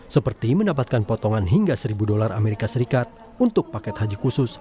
seperti mendapatkan potongan hingga seribu dolar amerika serikat untuk paket haji khusus